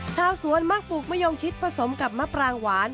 ชาวสวนมักปลูกมะยงชิดผสมกับมะปรางหวาน